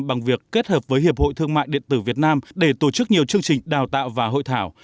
bằng việc kết hợp với hiệp hội thương mại điện tử việt nam để tổ chức nhiều chương trình đào tạo và hội thảo